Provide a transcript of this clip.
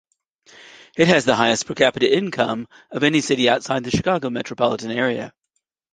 It has the highest per-capita income of any city outside the Chicago metropolitan area.